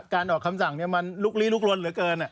ออกคำสั่งมันลุกลี้ลุกลนเหลือเกิน